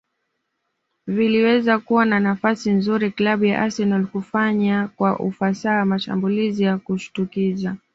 viliweza kuwa na nafasi nzuri klabu ya Arsenal kufanya kwa ufasaha mashambulizi ya kushtukiza